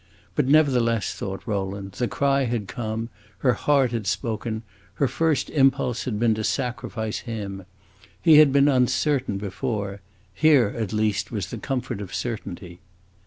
But nevertheless, thought Rowland, the cry had come, her heart had spoken; her first impulse had been to sacrifice him. He had been uncertain before; here, at least, was the comfort of certainty!